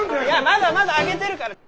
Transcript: まだまだ揚げてるから！